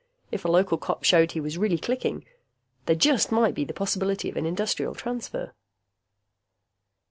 If a local cop showed he was really clicking, there just might be the possibility of an Industrial Transfer....